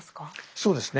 そうですね。